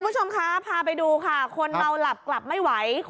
คุณผู้ชมคะพาไปดูค่ะคนเมาหลับกลับไม่ไหว